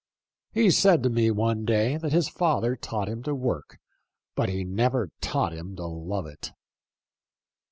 He said to me one day that his father taught him to work; but he never taught him to love it."